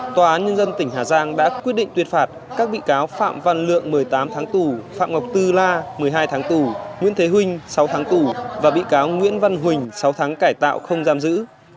tòa án nhân dân tỉnh hà giang đã quyết định tuyên phạt các bị cáo phạm văn lượng một mươi tám tháng tù phạm ngọc tư la một mươi hai tháng tù nguyễn thế huynh sáu tháng tù và bị cáo nguyễn văn huỳnh sáu tháng cải tạo không giam giữ